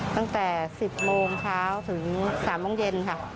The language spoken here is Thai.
ตั้งแต่๑๐โมงเช้าถึง๓โมงเย็นค่ะ